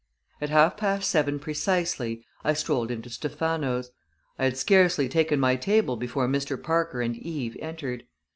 At half past seven precisely I strolled into Stephano's. I had scarcely taken my table before Mr. Parker and Eve entered.